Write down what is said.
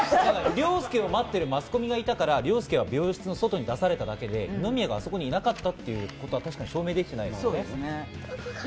凌介を待ってるマスコミがいたから凌介は病室の外に出されただけで、二宮がいなかったってことは確かに証明されていない。